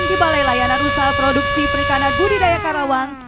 di balai layanan usaha produksi perikanan budidaya karawang